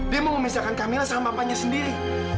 dia mau memisahkan camilla sama papanya sendiri